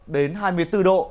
đến hai mươi bốn độ